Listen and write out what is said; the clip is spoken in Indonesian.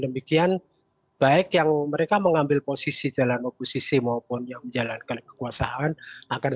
demikian baik yang mereka mengambil posisi jalan oposisi maupun yang menjalankan kekuasaan akan